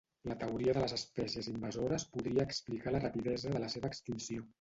La teoria de les espècies invasores podria explicar la rapidesa de la seva extinció.